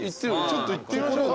ちょっと行ってみましょう。